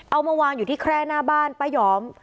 เอามาวางอยู่ที่แคร่หน้าบ้านป้ายอม